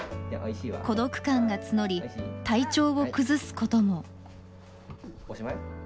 孤独感が募り体調を崩すことも。